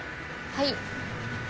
はい。